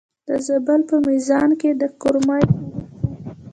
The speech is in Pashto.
د زابل په میزانه کې د کرومایټ نښې شته.